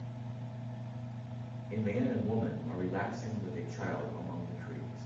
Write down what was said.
A man and a woman are relaxing with a child among the trees.